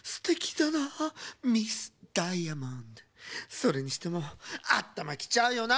それにしてもあったまきちゃうよな